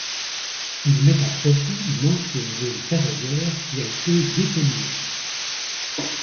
Il met à profit une ancienne zone ferroviaire qui a été dépolluée.